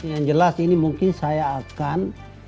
yang jelas ini mungkin saya akan